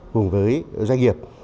cùng với doanh nghiệp